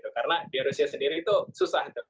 karena di rusia sendiri itu susah